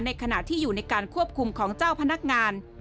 ขณะที่อยู่ในการควบคุมของเจ้าพนักงาน